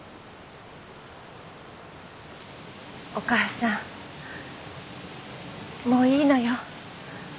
お母さんもういいのよ。